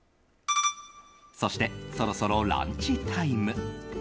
そして、そろそろランチタイム。